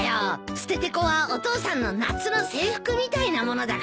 ステテコはお父さんの夏の制服みたいなものだからね。